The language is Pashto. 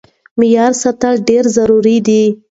معيار ساتل ډېر ضروري دی.